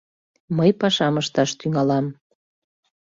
— Мый пашам ышташ тӱҥалам.